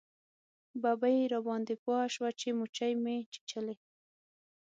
ببۍ راباندې پوه شوه چې موچۍ مې چیچلی.